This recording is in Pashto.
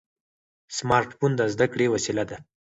سمارټ فون د زده کړې وسیله ده.